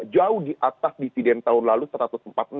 jauh di atas dividen tahun lalu satu ratus empat puluh enam